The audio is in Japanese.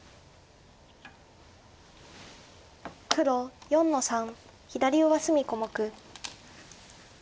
黒４の三左上隅小目。